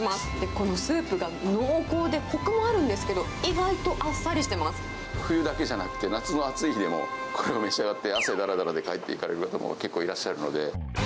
このスープが濃厚で、こくもあるんですけど、意外とあっさりして冬だけじゃなくて、夏の暑い日でも、これを召し上がって、汗だらだらで帰っていかれる方も、結構いらっしゃるので。